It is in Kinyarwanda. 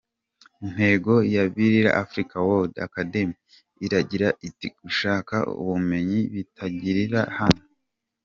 Intego ya Birla Africa World Academy iragira iti “Gushaka ubumenyi bitangirira hano.